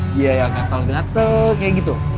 dia ya gatel gatel kayak gitu